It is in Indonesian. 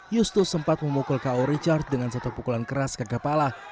yustu sempat memukul ko richard dengan satu pukulan keras ke kepala